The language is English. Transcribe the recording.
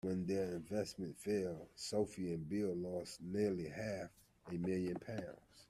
When their investments failed, Sophie and Bill lost nearly half a million pounds